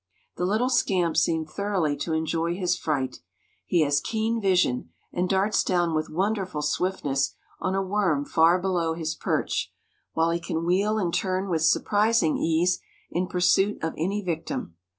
The little scamp seemed thoroughly to enjoy his fright. He has keen vision, and darts down with wonderful swiftness on a worm far below his perch, while he can wheel and turn with surprising ease in pursuit of any victim.